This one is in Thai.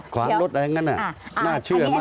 ขวางรถอะไรอย่างนั้นน่าเชื่อมาก